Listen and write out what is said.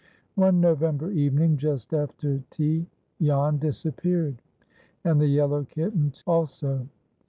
One November evening, just after tea, Jan disappeared, and the yellow kitten also.